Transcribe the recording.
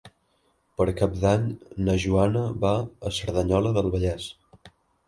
Per Cap d'Any na Joana va a Cerdanyola del Vallès.